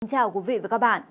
xin chào quý vị và các bạn